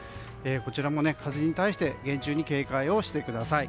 こちらも風に対して厳重に警戒をしてください。